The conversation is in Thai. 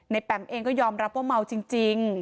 แปมเองก็ยอมรับว่าเมาจริง